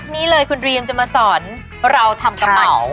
นี่เลยคุณดรีมจะมาสอนเราทำกระเป๋า